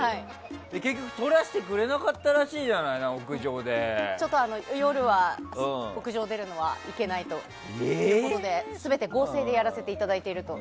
結局、撮らせてくれなかったらしいじゃない夜は、屋上に出るのはいけないということで全て合成でやらせていただいていると。